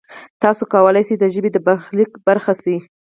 تاسو کولای شئ د ژبې د برخلیک برخه شئ.